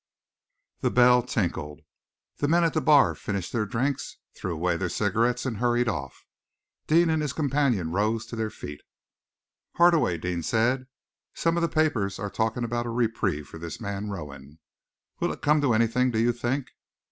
The bell tinkled. The men at the bar finished their drinks, threw away their cigarettes, and hurried off. Deane and his companion rose to their feet. "Hardaway," Deane said, "some of the papers are talking about a reprieve for this man Rowan. Will it come to anything, do you think?"